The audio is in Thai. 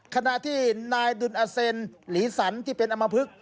ขณะที่นายดุลอาเซนหลีสันที่เป็นอมพลึก